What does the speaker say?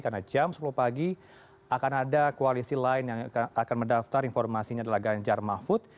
karena jam sepuluh pagi akan ada koalisi lain yang akan mendaftar informasinya adalah ganjar mahfud